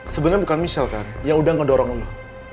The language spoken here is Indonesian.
sebenernya bukan michelle kan yang udah ngedorong lo